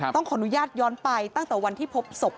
ต้องขออนุญาตย้อนไปตั้งแต่วันที่พบศพ